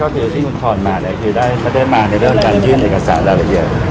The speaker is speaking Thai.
ที่คุณถอนมาเนี่ยคือได้มาในเรื่องการยื่นเอกสารหลาย